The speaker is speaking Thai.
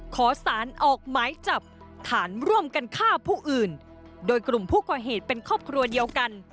ขอสารออกหมายจับฐานร่วมกันฆ่าผู้อื่นโดยกลุ่มผู้ก่อเหตุเป็นครอบครัวเดียวกัน